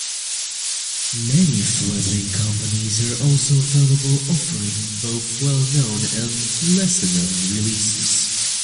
Many fledgling companies are also available offering both well-known and lesser known releases.